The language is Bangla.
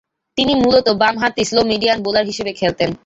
তিনি মূলতঃ বামহাতি স্লো-মিডিয়াম বোলার হিসেবে খেলতেন।